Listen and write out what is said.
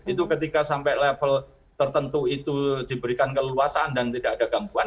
itu ketika sampai level tertentu itu diberikan keleluasan dan tidak ada gangguan